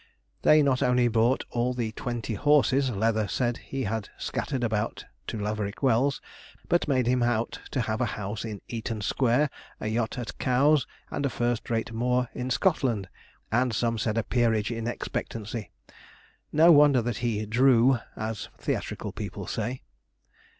They not only brought all the twenty horses Leather said he had scattered about to Laverick Wells, but made him out to have a house in Eaton Square, a yacht at Cowes, and a first rate moor in Scotland, and some said a peerage in expectancy. No wonder that he 'drew,' as theatrical people say.